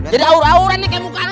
jadi aur auran nih kayak muka lo